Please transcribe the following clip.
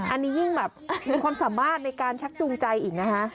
อันนี้ยิ่งแบบมีความสามารถในการชักจูงใจอีกนะคะ